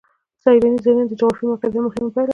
سیلاني ځایونه د جغرافیایي موقیعت یوه مهمه پایله ده.